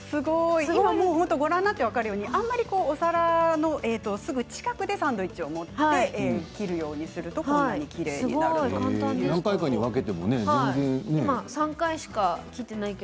ご覧になって分かるようにお皿の近くでサンドイッチを持って切るようにするときれいに切れます。